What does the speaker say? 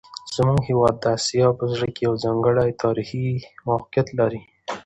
زموږ هیواد د اسیا په زړه کې یو ځانګړی تاریخي موقعیت لري.